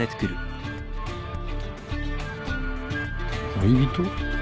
恋人？